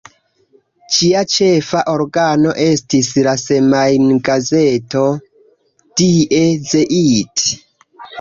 Ĝia ĉefa organo estis la semajngazeto "Die Zeit".